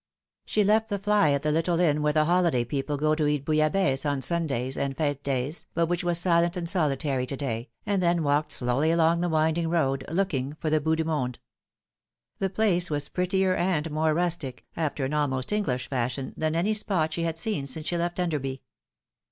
She left the fly at the little inn where the holiday people go to eat bouillabaisse on Sundays and fe"te days, but which was silent and solitary to day, and then walked slowly along the winding road, looking for the Bout du Monde. The place was prettier and more rustic, after an almost English fashion, than any spot she had seen since she left Enderby.